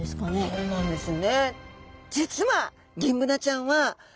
そうなんですよ。